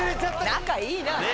仲いいな。